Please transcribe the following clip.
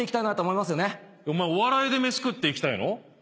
お前お笑いで飯食っていきたいの？